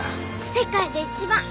世界で一番！